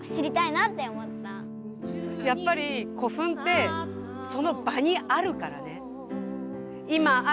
やっぱり古墳ってその場にあるからね。